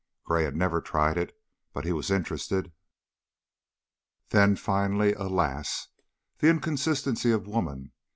Gray had never tried it, but he was interested. Then, finally, alas! the inconsistency of woman!